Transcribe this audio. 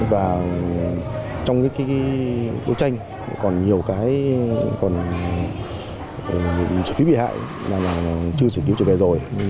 và trong đấu tranh còn nhiều trợ phí bị hại chưa giải cứu trở về rồi